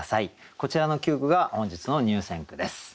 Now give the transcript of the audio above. こちらの９句が本日の入選句です。